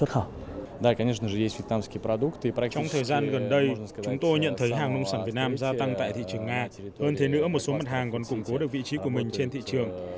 hơn thế nữa một số mặt hàng còn củng cố được vị trí của mình trên thị trường